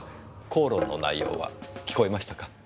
口論の内容は聞こえましたか？